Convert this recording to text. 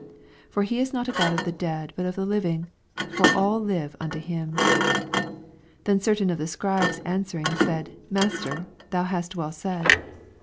88 For he is not a God of the dead, but of the living : for all live unto him. 89 Then certain of the Scribes an swering said, Master, thou hast well said.